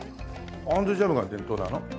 あんずジャムが伝統なの？